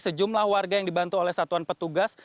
sejumlah warga yang dibantu oleh satuan petugas